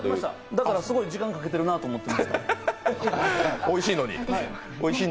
だから、すごい時間かけてるなと思って。